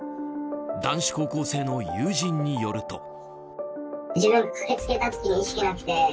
男子高校生の友人によると。